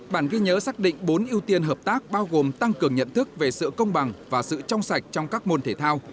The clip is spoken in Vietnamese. bản ghi nhớ xác định bốn ưu tiên hợp tác bao gồm tăng cường nhận thức về sự công bằng và sự trong sạch trong các môn thể thao